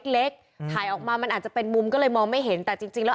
เล็กถ่ายออกมามันอาจจะเป็นมุมก็เลยมองไม่เห็นแต่จริงจริงแล้ว